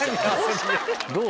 どう？